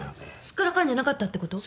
すっからかんじゃなかったってこと？